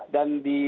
dan di media